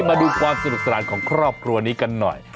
มาดูความสนุกสนานของครอบครัวนี้กันหน่อย